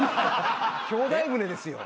『兄弟船』ですよ。